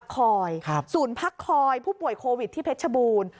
ภาคคอยสูญภาคคอยผู้ป่วยโควิดที่เพชรชบูรณ์